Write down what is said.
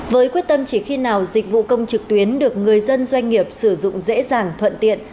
với quyết tâm chỉ khi nào dịch vụ công trực tuyến được người dân doanh nghiệp sử dụng dễ dàng thuận tiện